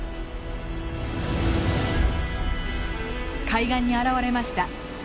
海岸に現れました。